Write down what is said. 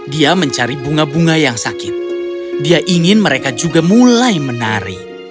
dia mencari bunga bunga yang sakit dia ingin mereka juga mulai menari